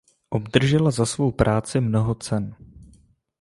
Obdržela za svou práci mnoho cen.